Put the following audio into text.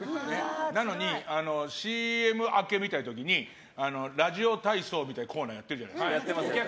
なのに、ＣＭ明けの時にラジオ体操みたいなコーナーやってるじゃない。